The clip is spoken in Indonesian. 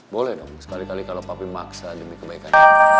boleh dong sekali kali kalau papi maksa demi kebaikan